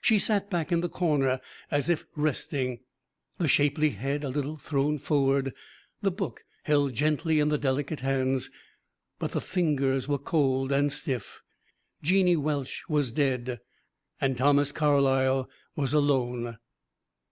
She sat back in the corner as if resting; the shapely head a little thrown forward, the book held gently in the delicate hands, but the fingers were cold and stiff Jeannie Welsh was dead and Thomas Carlyle was alone.